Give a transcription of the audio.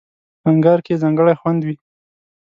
په انگار کې یې ځانګړی خوند وي.